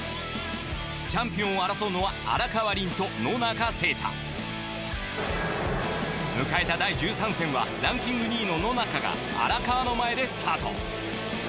チャンピオンを争うのは荒川麟と野中誠太迎えた第１３戦はランキング２位の野中が荒川の前でスタート。